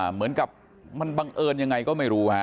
เหมือนกับมันบังเอิญยังไงก็ไม่รู้ฮะ